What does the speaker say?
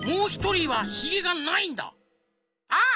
あっ！